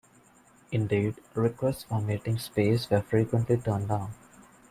Indeed, requests for meeting space were frequently turned down.